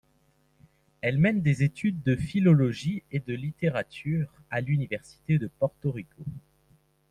Elle mène des études de philologie et de littérature, à l'Université de Porto Rico.